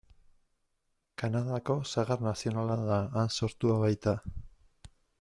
Kanadako sagar nazionala da, han sortua baita.